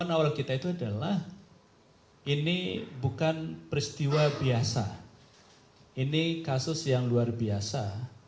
awal kita itu adalah ini bukan peristiwa biasa ini kasus yang luar biasa